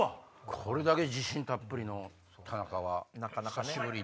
これだけ自信たっぷりの田中は久しぶり。